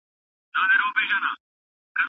هیلې له خپلې کړکۍ څخه بهر د کابل سړې منظرې ته وکتل.